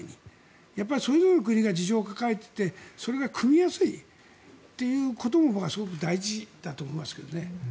やっぱりそれぞれの国が事情を抱えていてそれが組みやすいということも僕はすごく大事だと思いますけどね。